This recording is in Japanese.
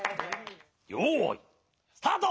よいスタート！